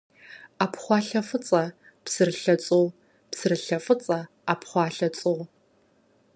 Ӏэпхъуалъэ фӏыцӏэ, псырылъэ цӏу, псырылъэ фӏыцӏэ, ӏэпхъуалъэ цӏу.